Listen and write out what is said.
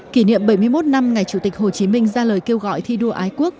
kỷ niệm bảy mươi một năm ngày chủ tịch hồ chí minh ra lời kêu gọi thi đua ái quốc